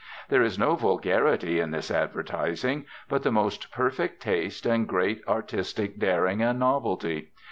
There is no vulgarity in this advertising, but the most perfect taste and great artistic daring and novelty.